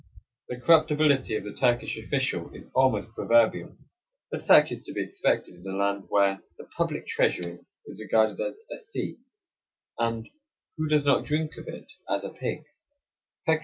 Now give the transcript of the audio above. The corruptibility of the Turkish official is almost proverbial; but such is to be expected in the land where "the public treasury" is regarded as a "sea," and "who does 34 Across Asia on a Bicycle not drink of it, as a pig."